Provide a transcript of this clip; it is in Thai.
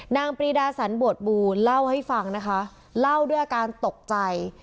ปรีดาสันบวชบูลเล่าให้ฟังนะคะเล่าด้วยอาการตกใจ